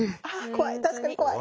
確かに怖い。